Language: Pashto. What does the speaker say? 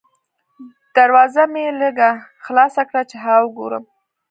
دروازه مې لږه خلاصه کړه چې هوا وګورم.